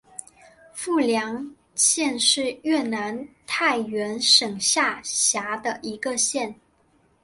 富良县是越南太原省下辖的一个县。